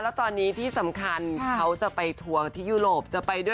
แล้วตอนนี้ที่สำคัญเขาจะไปทัวร์ที่ยุโรป